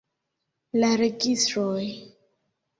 La registroj!